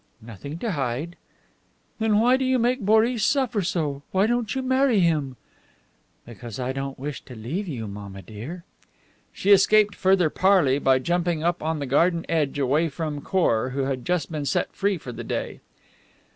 "Nothing to hide." "Then why do you make Boris suffer so? Why don't you marry him?" "Because I don't wish to leave you, mamma dear." She escaped further parley by jumping up on the garden edge away from Khor, who had just been set free for the day.